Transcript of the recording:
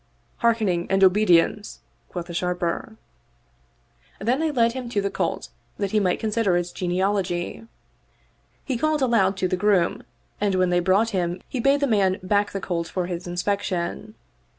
" Hearkening and obedience," quoth the Sharper. Then they led him to the colt that he might consider its genealogy. He called aloud to the groom, and when they brought him he bade the man back the colt for his inspection.